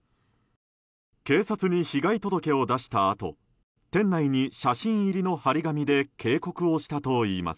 警察に被害届を出したあと店内に写真入りの貼り紙で警告をしたといいます。